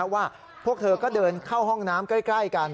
ว่าพวกเธอก็เดินเข้าห้องน้ำใกล้กัน